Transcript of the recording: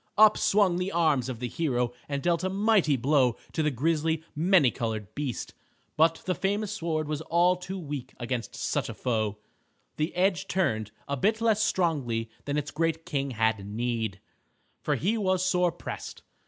Up swung the arm of the hero, and dealt a mighty blow to the grisly, many colored beast. But the famous sword was all too weak against such a foe. The edge turned and bit less strongly than its great king had need, for he was sore pressed.